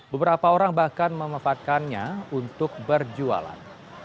beberapa orang bahkan memanfaatkannya untuk berjualan